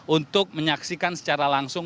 untuk menyaksikan secara langsung